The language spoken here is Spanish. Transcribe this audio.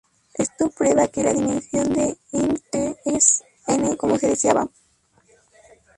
Esto prueba que la dimensión de im "T" es "n", como se deseaba.